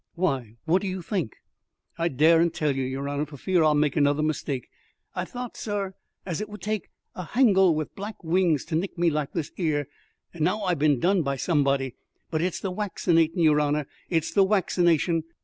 "Why, what do you think?" "I daren't tell you, yer honour, for fear I'll make another mistake. I thowt, sur, as it would take a hangel with black wings to nick me like this 'ere, and now I've bin done by somebody; but it's the waccinatin', yer honour it's the waccination.